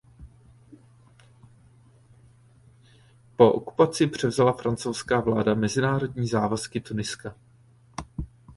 Po okupaci převzala francouzská vláda mezinárodní závazky Tuniska.